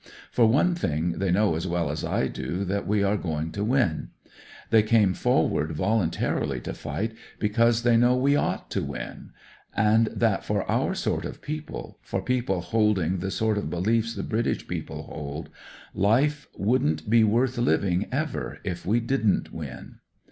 For one thing, they know as well as I do that we are going to win. They came forward volun tarily to fight, because they know we ought to win ; and that for our sort of people, for people holding the sort of beliefs the British people hold, life wouldn't be worth living, ever, if we didn't win.